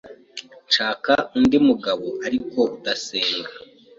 nshaka undi mugbo ariko udasenga